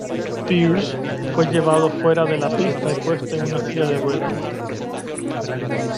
Pierce fue llevado fuera de la pista y puesto en una silla de ruedas.